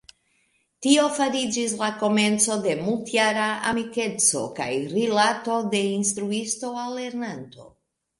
Tio fariĝis la komenco de multjara amikeco kaj rilato de instruisto al lernanto.